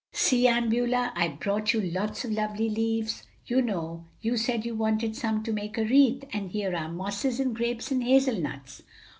"See, Aunt Beulah, I've brought you lots of lovely leaves; you know you said you wanted some to make a wreath; and here are mosses, and grapes, and hazel nuts."